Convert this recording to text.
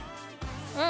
うん。